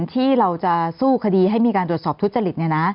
ที่เราจะสู้คดีให้มีการตรวจสอบทุจริต